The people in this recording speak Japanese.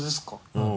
うん。